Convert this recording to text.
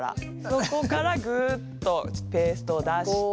そこからグッとペーストを出して。